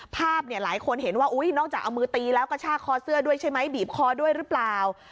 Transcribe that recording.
ภาพเนี่ยหลายคนเห็นว่านอกจากเอามือตีแล้วก็ชากคอเสื้อด้วยใช่ไหมบีบคอด้วยหรือเปล่า